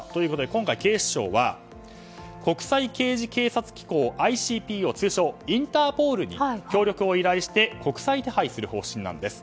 今回、警視庁は国際刑事警察機構通称インターポールに協力を依頼して国際手配する方針なんです。